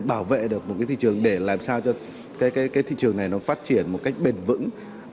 bảo vệ được một cái thị trường để làm sao cho cái thị trường này nó phát triển một cách bền vững